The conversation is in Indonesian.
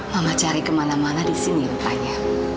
mama cari kemana mana di sini rupanya